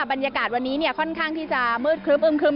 บรรยากาศวันนี้ค่อนข้างที่จะมืดครึบอึ้มครึ้ม